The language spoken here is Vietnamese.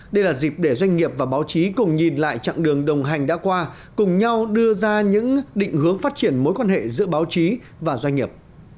đây là dịp để doanh nghiệp và báo chí cùng nhìn lại chặng đường đồng hành đã qua cùng nhau đưa ra những định hướng phát triển mối quan hệ giữa báo chí và doanh nghiệp